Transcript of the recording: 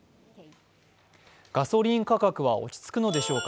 ガソリン価格は落ち着くのでしょうか。